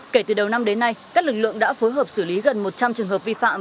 kể từ đầu năm đến nay các lực lượng đã phối hợp xử lý gần một trăm linh trường hợp vi phạm